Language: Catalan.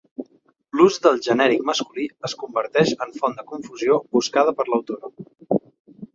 L'ús del genèric masculí es converteix en font de confusió buscada per l'autora.